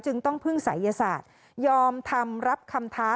ต้องพึ่งศัยศาสตร์ยอมทำรับคำท้า